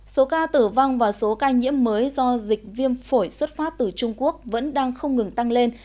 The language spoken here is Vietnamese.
số ca tử vong và số ca nhiễm mới do dịch viêm phổi xuất phát từ trung quốc vẫn đang không ngừng tăng lên